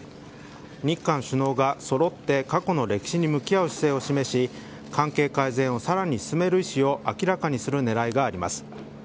日韓首脳がそろって過去の歴史に向き合う姿勢を示し関係改善をさらに進める意思を明らかにする狙いがあります。